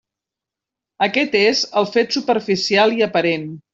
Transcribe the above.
Aquest és el fet superficial i aparent.